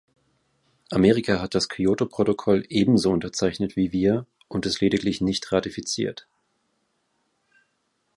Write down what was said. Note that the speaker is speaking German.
Amerika hat das Kyoto-Protokoll ebenso unterzeichnet wie wir und es lediglich nicht ratifiziert.